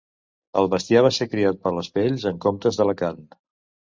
El bestiar va ser criat per les pells en comptes de la carn.